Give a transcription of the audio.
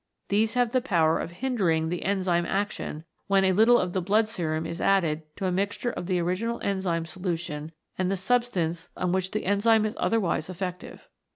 These have the power of hindering the enzyme action when a little of the blood serum is added to a mixture of the original enzyme solution and the substance on which the enzyme 98 CATALYSIS AND THE ENZYMES is otherwise effective.